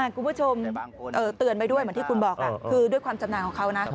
คุณผู้ชมเตือนไปด้วยเหมือนที่คุณบอกคือด้วยความจำหน่ายของเขานะ